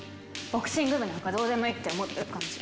ボクシング部なんかどうでもいいって思ってる感じ。